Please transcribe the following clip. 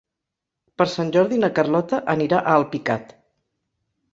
Per Sant Jordi na Carlota anirà a Alpicat.